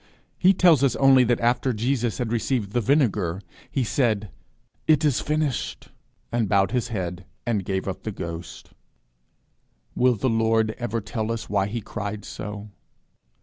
He tells us only that after Jesus had received the vinegar, he said, "It is finished," and bowed his head, and gave up the ghost. Will the Lord ever tell us why he cried so?